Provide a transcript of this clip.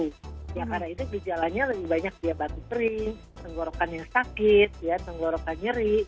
karena itu gejalanya lebih banyak dia batu kering tenggorokan yang sakit tenggorokan nyeri